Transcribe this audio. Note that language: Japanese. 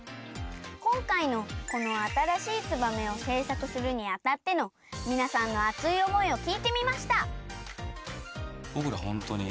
こんかいのこのあたらしい「ツバメ」をせいさくするにあたってのみなさんの熱い思いをきいてみました。